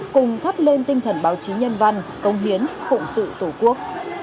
cùng thắp lên tinh thần báo chí nhân văn công hiến phụ sự tổ quốc